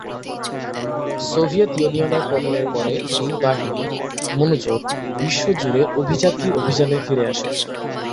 Soviet ইউনিয়নের পতনের পরে এই বাহিনীর মনোযোগ বিশ্বজুড়ে অভিযাত্রী অভিযানে ফিরে আসে।